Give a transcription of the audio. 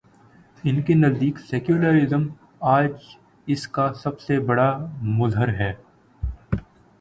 ان کے نزدیک سیکولرازم، آج اس کا سب سے بڑا مظہر ہے۔